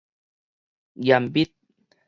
嚴密